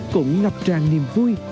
cũng ngập tràn niềm vui